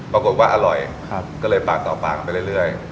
ปรากฏว่าอร่อยก็เลยปากต่อปากไปเรื่อย